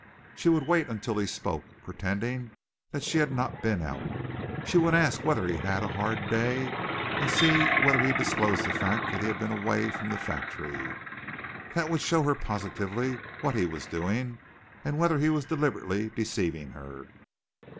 She would wait until he spoke, pretending that she had not been out. She would ask whether he had had a hard day, and see whether he disclosed the fact that he had been away from the factory. That would show her positively what he was doing and whether he was deliberately deceiving her.